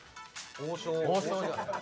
「王将」